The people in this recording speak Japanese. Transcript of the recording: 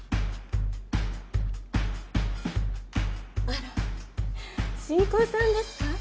あら新婚さんですか？